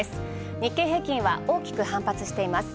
日経平均は大きく反発しています。